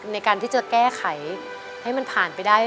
ในการที่จะแก้ไขให้มันผ่านไปได้